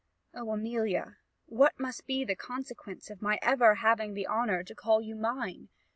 O, Amelia! what must be the consequence of my ever having the honour to call you mine!